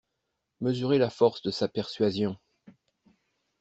Mesurez la force de sa persuasion.